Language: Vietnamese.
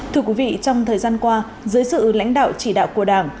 thưa quý vị trong thời gian qua dưới sự lãnh đạo chỉ đạo của đảng